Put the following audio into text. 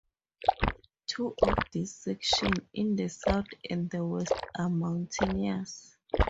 Two of these sections, in the south and the west, are mountainous.